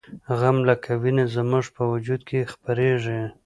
غم لکه وینه زموږ په وجود کې خپریږي